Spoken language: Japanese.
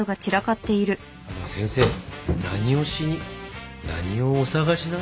あの先生何をしに何をお探しなんでしょう？